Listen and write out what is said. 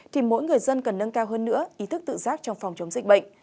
thì mỗi người dân cần nâng cao hơn nữa ý thức tự giác trong phòng chống dịch bệnh